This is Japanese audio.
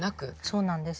そうなんです。